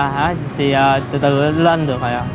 bây giờ thì từ từ lên được rồi à